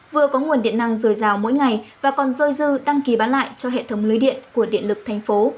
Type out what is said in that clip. vừa có nguồn điện năng dồi dào mỗi ngày và còn dôi dư đăng ký bán lại cho hệ thống lưới điện của điện lực thành phố